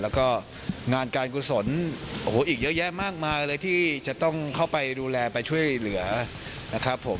แล้วก็งานการกุศลโอ้โหอีกเยอะแยะมากมายเลยที่จะต้องเข้าไปดูแลไปช่วยเหลือนะครับผม